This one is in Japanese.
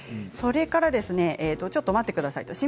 それからちょっと待ってください